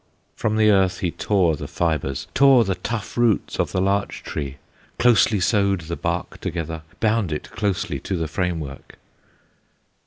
From the earth he tore the fibres, Tore the tough roots of the Larch tree, Closely sewed the bark together, Bound it closely to the frame work.